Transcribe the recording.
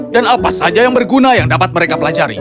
dan apa saja yang berguna yang dapat mereka pelajari